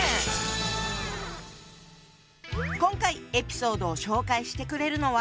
今回エピソードを紹介してくれるのは。